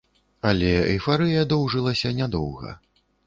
Але эйфарыя доўжылася нядоўга.